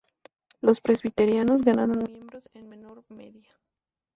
Los presbiterianos ganaron miembros en menor medida.